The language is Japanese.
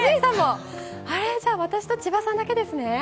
じゃ、私と千葉さんだけですね。